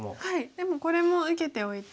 でもこれも受けておいて。